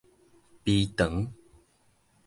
埤塘